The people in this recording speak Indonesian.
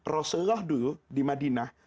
rasulullah dulu di madinah